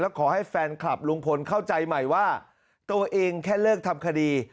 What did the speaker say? ขอให้แฟนคลับลุงพลเข้าใจใหม่ว่าตัวเองแค่เลิกทำคดี